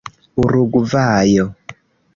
urugvajo